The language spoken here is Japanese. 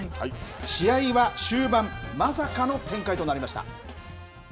試合は終盤、まさかの展開となりました。